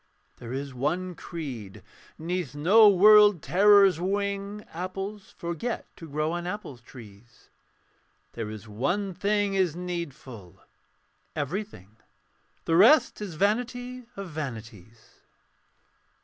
There is one creed: 'neath no world terror's wing Apples forget to grow on apple trees. There is one thing is needful everything The rest is vanity of vanities.